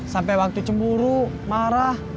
sampai waktu cemburu marah